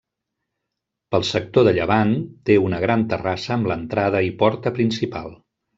Pel sector de llevant té una gran terrassa amb l'entrada i porta principal.